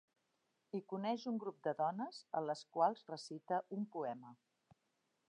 Hi coneix un grup de dones a les quals recita un poema.